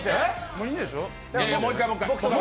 もういいんでしょう？